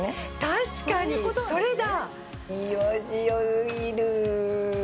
確かにそれだ！